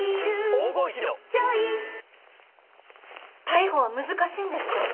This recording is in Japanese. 逮捕は難しいんですか？